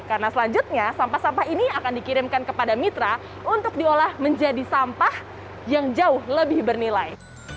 karena selanjutnya sampah sampah ini akan dikirimkan kepada mitra untuk diolah menjadi sampah yang jauh lebih bernilai